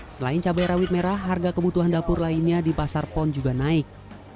selain cabai rawit merah harga kebutuhan dapur lainnya di pasar pon juga naik